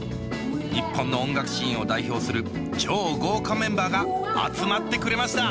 日本の音楽シーンを代表する超豪華メンバーが集まってくれました